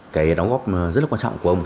cái đóng góp rất là quan trọng của ông